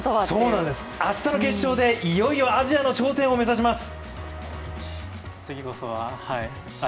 そうなんです、明日の決勝でいよいよアジアの頂点を目指します！